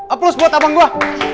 aplaus buat abang gue